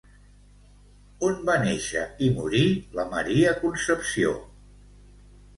On va néixer i morir la Maria Concepció?